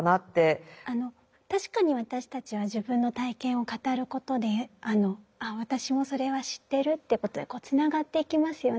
確かに私たちは自分の体験を語ることであ私もそれは知ってるってことでつながっていきますよね。